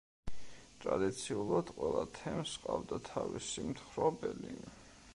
ტრადიციულად ყველა თემს ჰყავდა თავისი მთხრობელი.